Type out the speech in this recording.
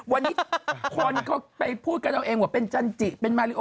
วันนี้คนเขาไปพูดกันเอาเองว่าเป็นจันจิเป็นมาริโอ